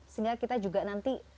sehingga kita juga nanti